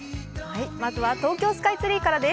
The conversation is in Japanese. まずは東京スカイツリーからです。